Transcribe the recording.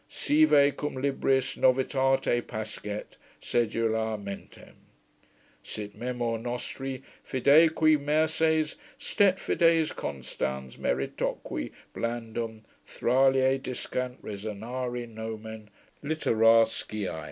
Sive cum libris novitate pascet Sedula mentem; Sit memor nostri, fideique merces, Stet fides constans, meritoque blandum Thraliae discant resonare nomen Littora Skiae.